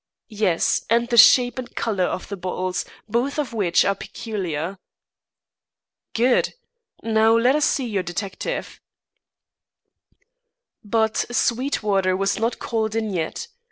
"Yes, and the shape and colour of the bottles, both of which are peculiar." "Good! Now let us see your detective." But Sweetwater was not called in yet.